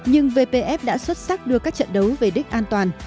nhưng vpf đã xuất sắc đưa các trận đấu về đích an toàn